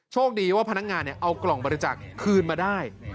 โชคดีว่าพนักงานเอากล่องบริจักษ์คืนมาได้